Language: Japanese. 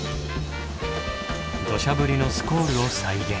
ドシャ降りのスコールを再現。